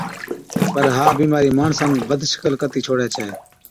پر ها بِيمارِي ماڻسا نُون بد شڪل ڪتِي ڇوڙَي ڇَي۔